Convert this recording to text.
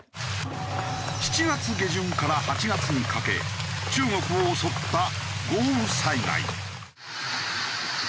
７月下旬から８月にかけ中国を襲った豪雨災害。